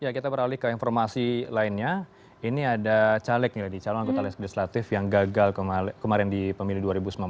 kita beralih ke informasi lainnya ini ada caleg nih calon anggota legislatif yang gagal kemarin di pemilu dua ribu sembilan belas